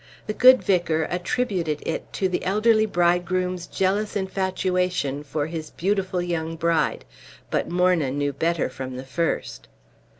The good vicar attributed it to the elderly bridegroom's jealous infatuation for his beautiful young bride; but Morna knew better from the first.